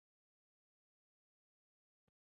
民间相传该建筑为曾国荃后裔所建家祠。